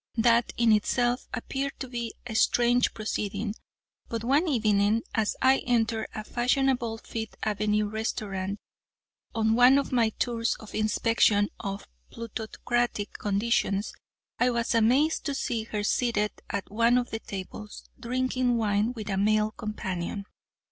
That, in itself, appeared to be a strange proceeding, but one evening as I entered a fashionable Fifth avenue restaurant on one of my tours of inspection of plutocratic conditions, I was amazed to see her seated at one of the tables, drinking wine with a male companion.